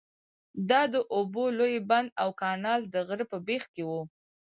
دا د اوبو لوی بند او کانال د غره په بیخ کې وو.